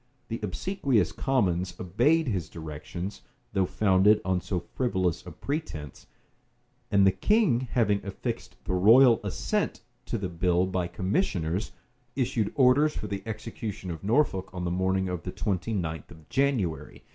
The obsequious commons obeyed his directions, though founded on so frivolous a pretence; and the king having affixed the royal assent to the bill by commissioners, issued orders for the execution of Norfolk on the morning of the twenty ninth of January.